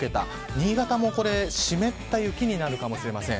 新潟も湿った雪になるかもしれません。